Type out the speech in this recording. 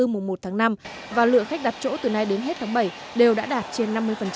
từ mùa một tháng năm và lượng khách đặt chỗ từ nay đến hết tháng bảy đều đã đạt trên năm mươi